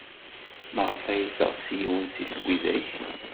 Maɣef ay teɣs yiwen seg widak?